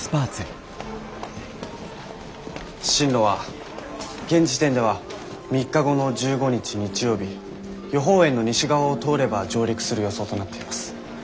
進路は現時点では３日後の１５日日曜日予報円の西側を通れば上陸する予想となっています。